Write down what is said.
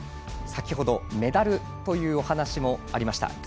先ほどメダルというお話もありました。